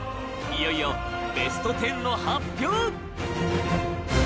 いよいよＢｅｓｔ１０の発表！